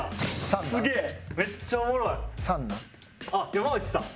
山内さん？